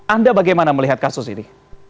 anda bagaimana melihat kasus ini